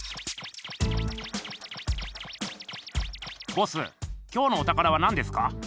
ボスきょうのお宝はなんですか？